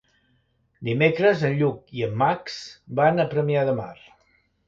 Dimecres en Lluc i en Max van a Premià de Mar.